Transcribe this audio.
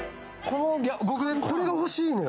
僕ね、これが欲しいのよ。